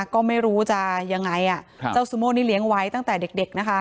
ก็ไม่รู้จะยังไงเจ้าซูโม่นี่เลี้ยงไว้ตั้งแต่เด็กนะคะ